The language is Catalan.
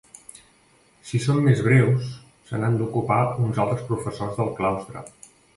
Si són més breus, se n’han d’ocupar uns altres professors del claustre.